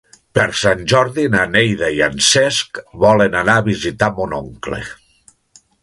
Per Sant Jordi na Neida i en Cesc volen anar a visitar mon oncle.